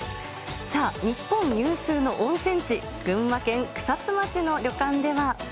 さあ、日本有数の温泉地、群馬県草津町の旅館では。